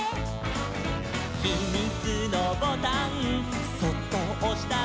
「ひみつのボタンそっとおしたら」「」